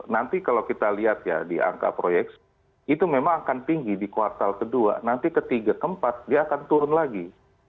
nanti kalau kita lihat ya di angka proyeksi itu memang akan tinggi di kuartal kedua nanti ketiga keempat dia akan turun lagi